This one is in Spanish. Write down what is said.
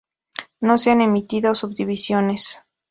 No se han emitido subdivisiones.